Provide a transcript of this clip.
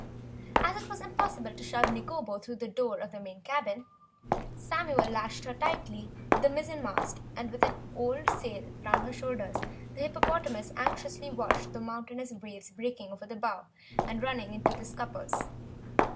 As it was impossible to shove Nikobo through the door of the main cabin, Samuel lashed her tightly to the mizzenmast and with an old sail round her shoulders the hippopotamus anxiously watched the mountainous waves breaking over the bow and running down into the scuppers.